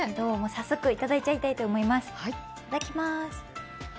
早速頂いちゃいたいと思います。